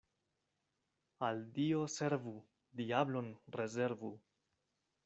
Al Dio servu, diablon rezervu.